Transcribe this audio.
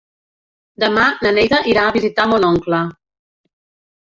Demà na Neida irà a visitar mon oncle.